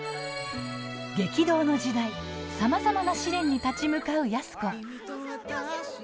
激動の時代さまざまな試練に立ち向かう安子。